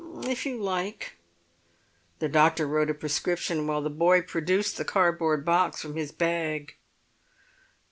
"If you like." The doctor wrote a prescription while the boy produced the cardboard box from his bag.